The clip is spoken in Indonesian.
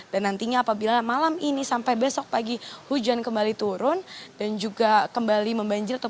dan nantinya apabila malam ini sampai besok pagi hujan kembali turun dan juga kembali membanjir